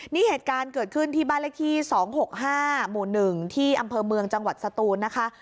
นี่เหตุการณ์เกิดขึ้นที่บ้านเลขที่๒๖๕หมู่๑ที่อำเภอเมืองจังหวัดสตูนนะคะ